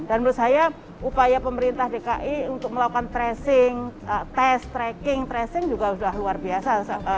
dan menurut saya upaya pemerintah dki untuk melakukan tracing test tracking tracing juga sudah luar biasa